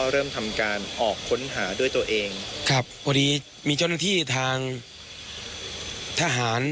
เริ่มทำการออกค้นหาด้วยตัวเองครับพอดีมีเจ้าหน้าที่ทางทหาร